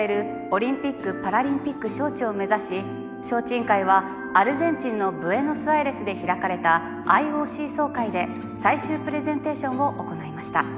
オリンピックパラリンピック招致を目指し招致委員会はアルゼンチンのブエノスアイレスで開かれたＩＯＣ総会で最終プレゼンテーションを行ないました。